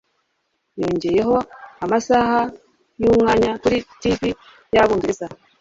Yongeyeho Amasaha Yumwanya Kuri Tv Yabongereza